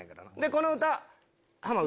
この歌。